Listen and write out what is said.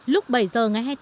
lúc bảy giờ ngày hai mươi tám